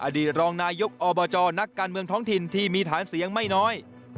อดีตรองนายกอบจนักการเมืองท้องถิ่นที่มีฐานเสียงไม่น้อย